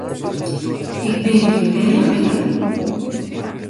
Ik bin gjin bern mear!